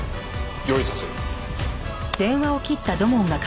用意させる。